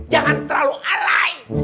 jangan terlalu alay